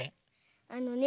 あのね